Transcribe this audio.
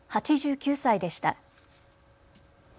８９歳でした。